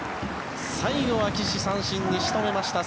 最後は岸、三振に仕留めました